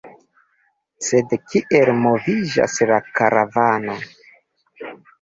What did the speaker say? Sed kiel moviĝas la karavano?